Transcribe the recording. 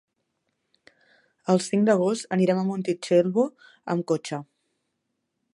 El cinc d'agost anirem a Montitxelvo amb cotxe.